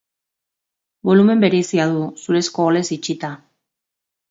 Bolumen bereizia du, zurezko oholez itxita.